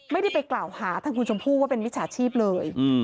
ไม่ได้ไปกล่าวหาทางคุณชมพู่ว่าเป็นมิจฉาชีพเลย